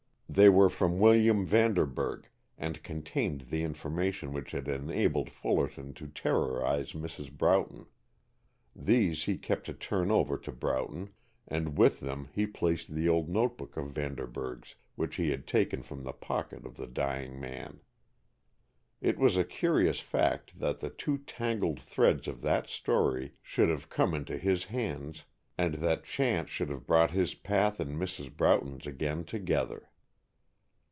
They were from William Vanderburg and contained the information which had enabled Fullerton to terrorize Mrs. Broughton. These he kept to turn over to Broughton, and with them he placed the old note book of Vanderburg's which he had taken from the pocket of the dying man. It was a curious fact that the two tangled threads of that story should have come into his hands and that chance should have brought his path and Mrs. Broughton's again together.